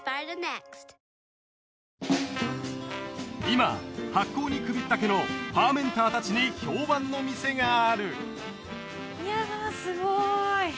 今発酵に首ったけのファーメンター達に評判の店があるいやすごい！